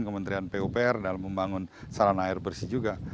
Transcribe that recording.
kementerian pupr dalam membangun sarana air bersih juga